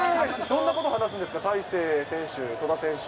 どんなこと話すんですか、大勢選手、戸田選手。